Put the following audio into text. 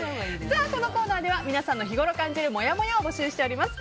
このコーナーでは皆さんの日ごろ感じるもやもやを募集しております。